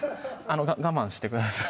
あのが我慢してください